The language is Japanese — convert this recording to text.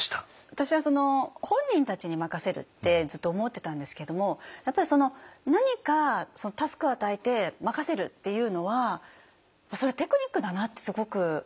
私は本人たちに任せるってずっと思ってたんですけどもやっぱり何かタスクを与えて任せるっていうのはテクニックだなってすごく思いました。